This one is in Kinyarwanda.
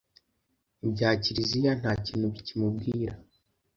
ibya Kliziya nta kintu bikimubwira